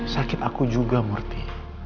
sakit aku juga murti